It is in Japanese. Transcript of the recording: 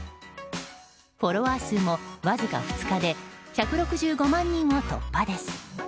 フォロワー数も、わずか２日で１６５万人を突破です。